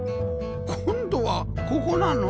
今度はここなの？